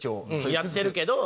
やってるけど。